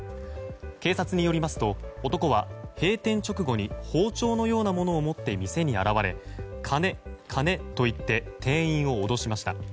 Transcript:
警察によりますと男は閉店直後に包丁のようなものを持って店に現れ金、金と言って店員を脅しました。